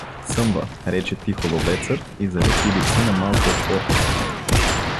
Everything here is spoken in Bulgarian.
— Съмва — рече тихо ловецът и залепи лице на малкия отвор.